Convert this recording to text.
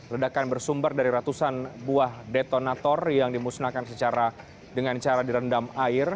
ledakan bersumber dari ratusan buah detonator yang dimusnahkan dengan cara direndam air